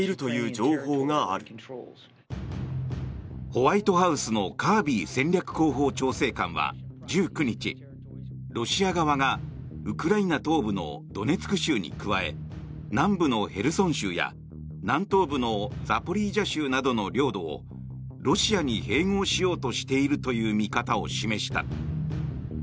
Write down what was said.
ホワイトハウスのカービー戦略広報調整官は１９日、ロシア側がウクライナ東部のドネツク州に加え南部のヘルソン州や、南東部のザポリージャ州などの領土をロシアに併合しようとしているという見方を示した。